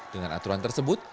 dengan aturan tersebut